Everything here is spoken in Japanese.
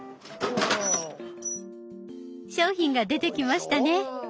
商品が出てきましたね。